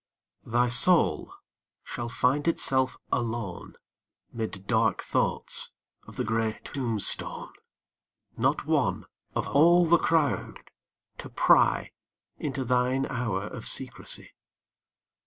Thy soul shall find itself alone 'Mid dark thoughts of the gray tombstone Not one, of all the crowd, to pry Into thine hour of secrecy.